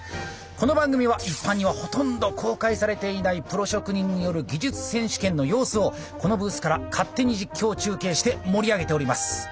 この番組は一般にはほとんど公開されていないプロ職人による技術選手権の様子をこのブースから勝手に実況中継して盛り上げております。